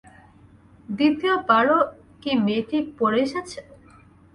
দ্বিতীয় বারও কি মেয়েটি পরে এসেছে?